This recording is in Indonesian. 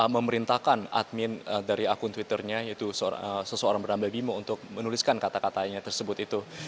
memerintahkan admin dari akun twitternya yaitu seseorang bernama bimo untuk menuliskan kata katanya tersebut itu